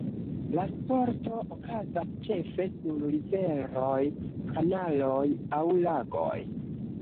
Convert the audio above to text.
La sporto okazas ĉefe sur riveroj, kanaloj aŭ lagoj.